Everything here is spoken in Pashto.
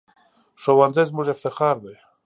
ښوونځی زموږ افتخار دی